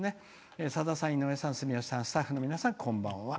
「さださん、住吉さん、井上さんスタッフの皆さん、こんばんは。